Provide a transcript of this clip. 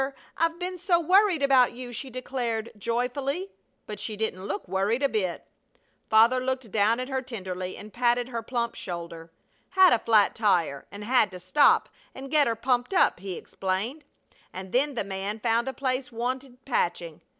I've been so worried about you!" she declared, joyfully, but she didn't look worried a bit. Father looked down at her tenderly and patted her plump shoulder. "Had a flat tire and had to stop, and get her pumped up," he explained, "and then the man found a place wanted patching.